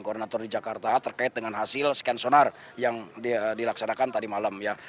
koordinator di jakarta terkait dengan hasil scan sonar yang dilaksanakan tadi malam ya